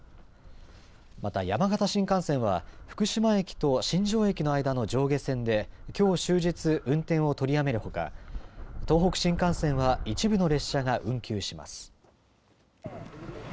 また山形新幹線は福島駅と新庄駅の間の上下線できょう終日運転をとりやめるほか東北新幹線は一部の列車が運休します。